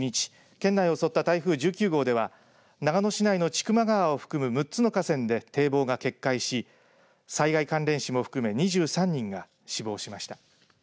県内を襲った台風１９号では長野市内の千曲川を含む６つの河川で堤防が決壊し災害関連死も含め２３人が死亡しました。